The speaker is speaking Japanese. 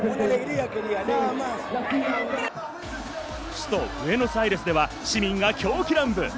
首都ブエノスアイレスでは市民が狂喜乱舞。